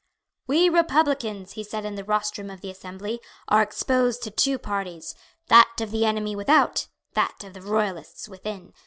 "We Republicans," he said in the rostrum of the Assembly, "are exposed to two parties, that of the enemy without, that of the Royalists within.